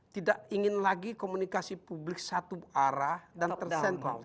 tidak ingin lagi komunikasi publik satu arah dan tersentrol